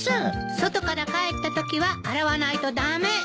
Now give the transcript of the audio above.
外から帰ったときは洗わないと駄目。